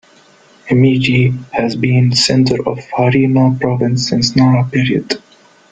Himeji has been the center of Harima Province since Nara period.